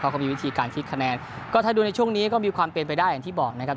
เขาก็มีวิธีการคิดคะแนนก็ถ้าดูในช่วงนี้ก็มีความเป็นไปได้อย่างที่บอกนะครับ